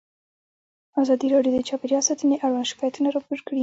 ازادي راډیو د چاپیریال ساتنه اړوند شکایتونه راپور کړي.